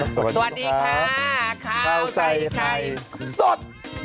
สวัสดีค่ะข้าวใส่ไข่สด